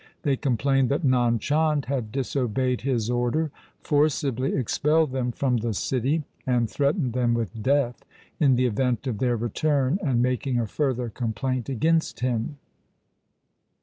They com plained that Nand Chand had disobeyed his order, forcibly expelled them from the city, and threatened them with death in the event of their return and making a further complaint against him.